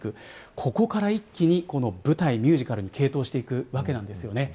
ここから一気に、舞台ミュージカルに傾倒していくわけです。